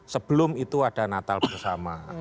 sebelum itu ada natal bersama